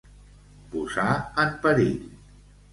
Posar en perill.